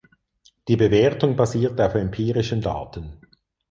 Die Bewertung basiert auf empirischen Daten.